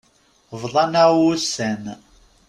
Bḍan-aɣ wussan.